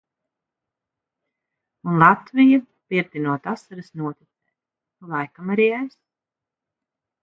Un Latvija, birdinot asaras, noticēja, laikam arī es.